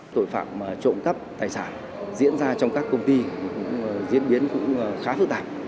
tội phạm trộm cắp tài sản diễn ra trong các công ty cũng diễn biến cũng khá phức tạp